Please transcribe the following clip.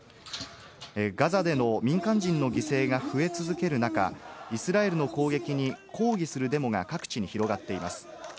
ガザでの民間人の犠牲が増え続ける中、イスラエルの攻撃に抗議するデモが各地に広がっています。